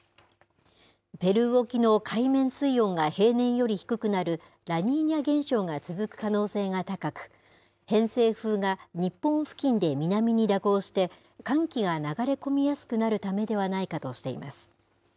ペルー沖の海面水温が平年より低くなるラニーニャ現象が続く可能性が高く、偏西風が日本付近で南に蛇行して、寒気が流れ込みやすくなるためではないかとしています。